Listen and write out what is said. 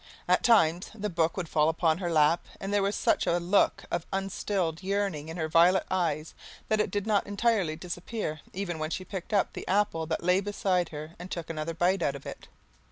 At times the book would fall upon her lap and there was such a look of unstilled yearning in her violet eyes that it did not entirely disappear even when she picked up the apple that lay beside her and took another bite out of it.